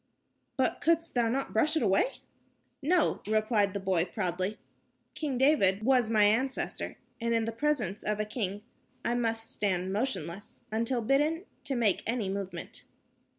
"But couldst thou not brush it away?" "No," replied the boy, proudly. "King David was my ancestor, and in the presence of a king I must stand motionless until bidden to make any movement."